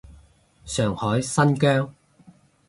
上海，新疆